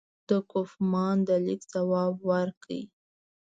د کوفمان د لیک ځواب ورکړي.